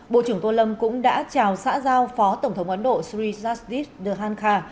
bộ trưởng tô lâm cũng đã chào xã giao phó tổng thống ấn độ sri sajjit dhan kha